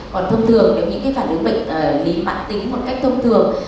còn thông thường những phản ứng bệnh lý mạng tính một cách thông thường